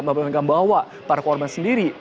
membawa para korban sendiri